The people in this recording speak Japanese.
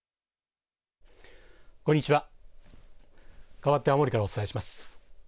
かわって青森からお伝えします。